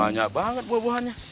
banyak banget buah buahnya